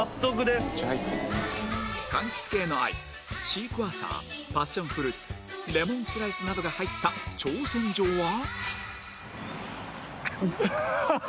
シークワーサーパッションフルーツレモンスライスなどが入った挑戦状は？